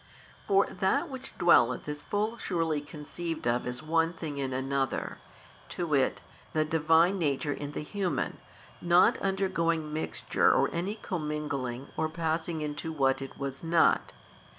For that which dwelleth is full surely conceived of as one thing in another, to wit, the Divine Nature in the human, not undergoing mixture or any commingling or passing into what it was not.